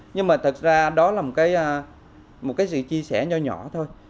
nhưng mà thật ra đó là một cái một cái sự chia sẻ nhỏ nhỏ thôi